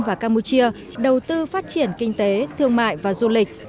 và campuchia đầu tư phát triển kinh tế thương mại và du lịch